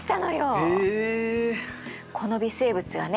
この微生物はね